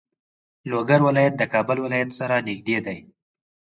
لوګر ولایت د کابل ولایت سره نږدې دی.